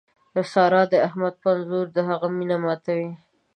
سارا د احمد په انځور د هغه مینه ماتوي.